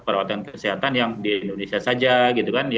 perawatan kesehatan yang di indonesia saja gitu kan